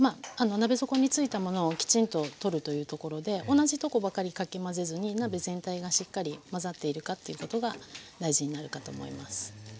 鍋底についたものをきちんと取るというところで同じとこばかりかき混ぜずに鍋全体がしっかり混ざっているかということが大事になるかと思います。